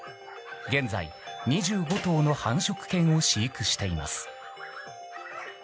現在２５頭の繁殖犬を飼育しています。